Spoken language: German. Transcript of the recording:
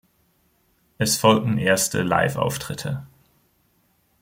Es folgten erste Liveauftritte.